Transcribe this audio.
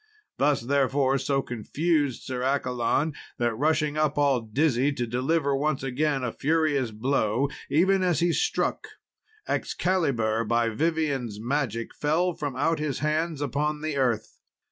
This, therefore, so confused Sir Accolon, that rushing up, all dizzy, to deliver once again a furious blow, even as he struck, Excalibur, by Vivien's magic, fell from out his hands upon the earth.